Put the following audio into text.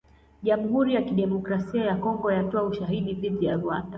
Jamhuri ya Kidemokrasia ya Kongo yatoa ‘ushahidi’ dhidi ya Rwanda.